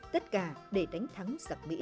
tất cả để đánh thắng giặc mỹ